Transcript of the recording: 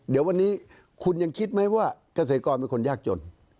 เดี๋ยววันนี้คุณยังคิดไหมว่าเกษตรกรเป็นคนยากจน